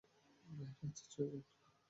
বাহিরে আছে ছয়জন।